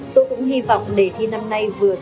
tôi cũng hy vọng lễ thi năm nay vừa xảy ra